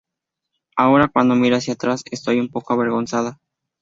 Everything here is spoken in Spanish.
Ahora, cuando miro hacia atrás, estoy un poco avergonzada.